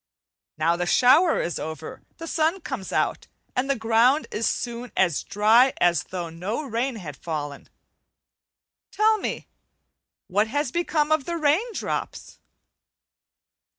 Now the shower is over, the sun comes out and the ground is soon as dry as though no rain had fallen. Tell me; what has become of the rain drops?